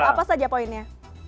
apa saja poinnya